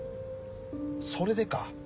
それでか。